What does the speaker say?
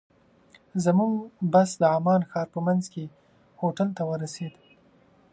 زموږ بس د عمان ښار په منځ کې هوټل ته ورسېد.